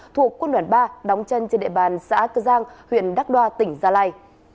thuộc quân đoàn ba đóng chân trên địa bàn xã cơ giang huyện đắc đoa tỉnh gia lai